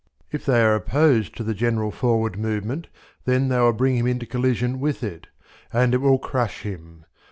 If they are opposed to the general forward movement, then they will bring him into collision with it, and it will crush him.